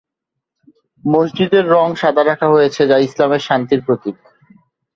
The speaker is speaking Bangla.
মসজিদের রঙ সাদা রাখা হয়েছে, যা ইসলামের শান্তির প্রতীক।